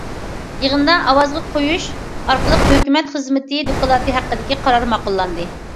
يىغىندا، ئاۋازغا قويۇش ئارقىلىق، ھۆكۈمەت خىزمىتى دوكلاتى ھەققىدىكى قارار ماقۇللاندى.